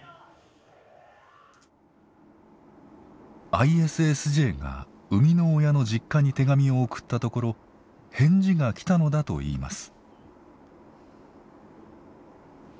ＩＳＳＪが生みの親の実家に手紙を送ったところ返事が来たのだといいます。